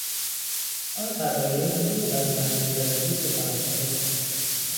آن قبایل زود از مرحلهی بدوی به تمدن رسیدند.